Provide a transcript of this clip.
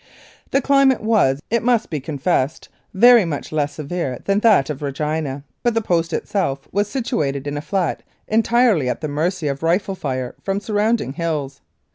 The climate was, it must be confessed, very much less severe than that of Regina, but the post itself was situated in a flat entirely at the mercy of rifle fire from surrounding hills.